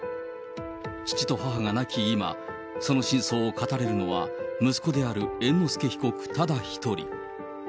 父と母が亡き今、その真相を語れるのは息子である猿之助被告ただ一人。